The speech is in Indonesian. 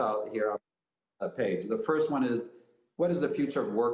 dan saya telah menunjukkan beberapa perhatian di sini di laman